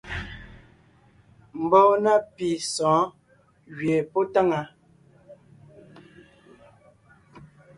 Mbɔɔ na pì sɔ̌ɔn gẅie pɔ́ táŋaa.